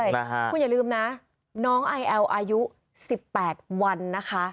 ข้นกว่าอย่าลืมนะน้องอายแอวอายุ๑๘วันนะคะ